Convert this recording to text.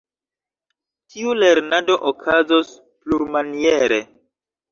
Tiu lernado okazos plurmaniere.